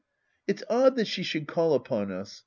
It's odd that she should call upon us.